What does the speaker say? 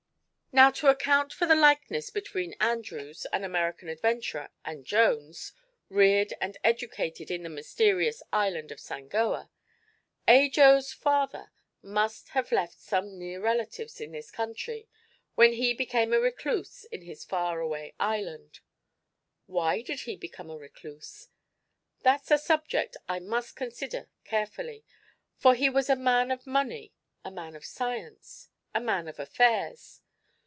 "Now, to account for the likeness between Andrews, an American adventurer, and Jones, reared and educated in the mysterious island of Sangoa. Ajo's father must have left some near relatives in this country when he became a recluse in his far away island. Why did he become a recluse? That's a subject I must consider carefully, for he was a man of money, a man of science, a man of affairs.